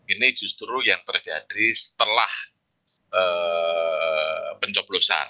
ini justru yang terjadi setelah pencoblosan